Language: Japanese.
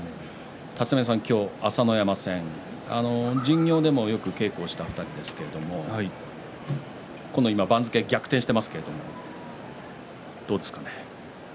今日、朝乃山戦巡業でもよく稽古をした２人ですけれど番付が今、逆転していますがどうですかね。